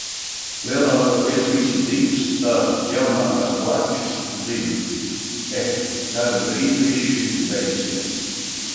Lielākoties visu dzīvesstāstus, jaunākās klačas zinu. Eh, ceru drīz viss šis beigsies.